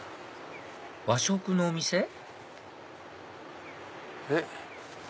和食のお店？えっ？